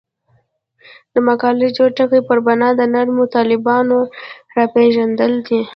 د مقالې جوت ټکی پر بنا د نرمو طالبانو راپېژندل دي.